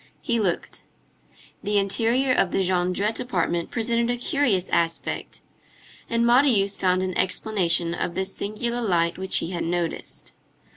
He looked. The interior of the Jondrette apartment presented a curious aspect, and Marius found an explanation of the singular light which he had noticed.